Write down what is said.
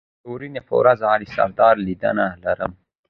د درېنۍ په ورځ علي سره لیدنه لرم